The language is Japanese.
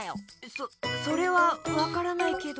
そそれはわからないけど。